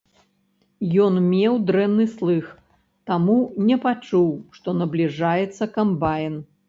Ён меў дрэнны слых, таму не пачуў, што набліжаецца камбайн.